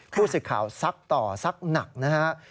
พูดสิทธิ์ข่าวซักต่อซักหนักนะฮะ